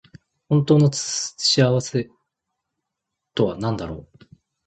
本当の幸いとはなんだろう。